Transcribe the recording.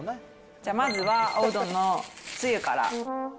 じゃあ、まずはおうどんのつゆから。